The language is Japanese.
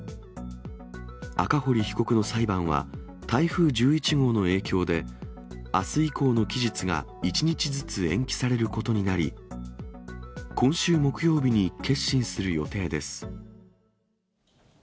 赤堀被告の裁判は台風１１号の影響で、あす以降の期日が１日ずつ延期されることになり、今週木曜日に結審する予定です。